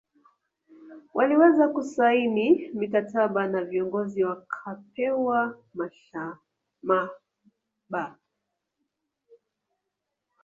Waliweza kusaini mikataba na viongozi wakapewa mashamaba